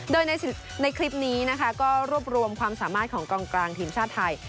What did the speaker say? โดยในคลิปนี้นะคะก็รวบรวมความสามารถของกองกลางทีมชาติไทย